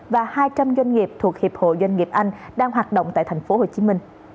và hai trăm linh doanh nghiệp thuộc hiệp hội doanh nghiệp anh đang hoạt động tại tp hcm